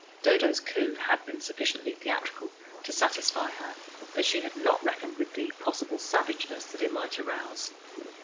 Dodo's coup had been sufficiently theatrical to satisfy her, but she had not reckoned with the possible savageness that it might arouse.